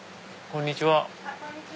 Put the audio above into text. こんにちは。